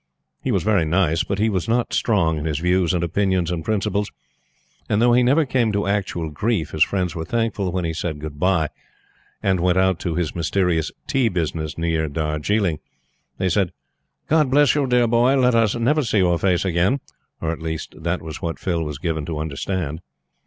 He was very nice; but he was not strong in his views and opinions and principles, and though he never came to actual grief his friends were thankful when he said good bye, and went out to this mysterious "tea" business near Darjiling. They said: "God bless you, dear boy! Let us never see your face again," or at least that was what Phil was given to understand.